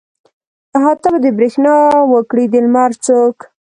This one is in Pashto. احاطه به د برېښنا وکړي د لمر څوک.